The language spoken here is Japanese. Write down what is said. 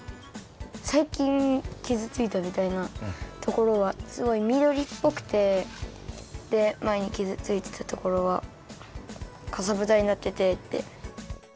さいきん傷ついたみたいなところはすごいみどりっぽくてでまえに傷ついてたところはかさぶたになっててって。